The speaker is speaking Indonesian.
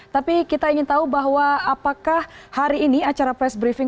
tapi kita ingin tahu bahwa apakah hari ini acara press briefing